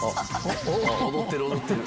踊ってる踊ってる。